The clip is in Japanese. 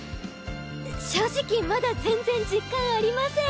正直まだ全然実感ありません。